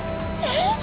えっ！？